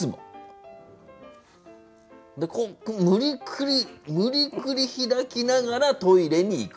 無理くり無理くり開きながらトイレに行く。